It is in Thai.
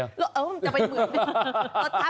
เออจะไปเหมือนไหม